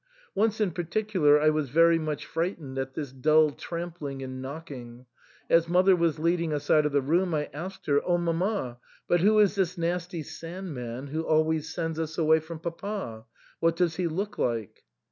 Once in particular I was very much fright ened at this dull trampling and knocking ; as mother was leading us out of the room I asked her, " O mamma ! but who is this nasty Sand man who always sends us away from papa? What does he look like